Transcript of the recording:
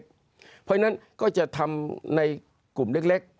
เพราะฉะนั้นก็จะทำในกลุ่มเล็ก